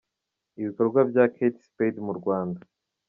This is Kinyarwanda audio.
Ibikorwa bya Kate Spade mu Rwanda.